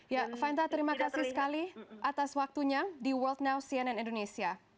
ya fainta terima kasih sekali atas waktunya di world now cnn indonesia